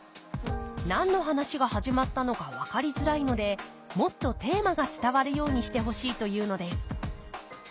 何の話が始まったのか分かりづらいのでもっとテーマが伝わるようにしてほしいというのです。